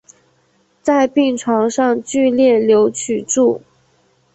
在病床上剧烈扭曲著